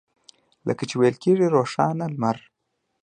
لکه چې ویل کېږي روښانه لمر.